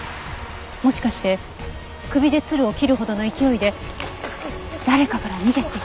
もしかして首でつるを切るほどの勢いで誰かから逃げていた。